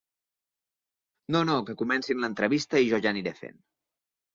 No, no, que comencin l'entrevista i jo ja aniré fent.